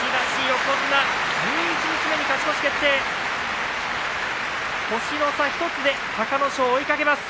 横綱、十一日目に勝ち越し決定です。